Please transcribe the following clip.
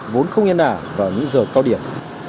vốn không yên ả vào những giờ cao điểm